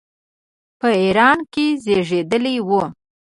په ایران کې زېږېدلی وو.